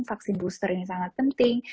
vaksin booster ini sangat penting